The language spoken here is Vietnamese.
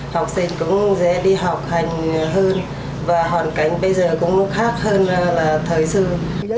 học sinh cũng dễ đi học hành hơn và hoàn cảnh bây giờ cũng khác hơn là thời sự